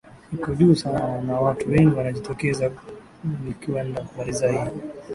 iko juu sana na watu wengi wanajitokeza ilikwenda kumaliza hii